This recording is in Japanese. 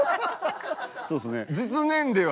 そうですね。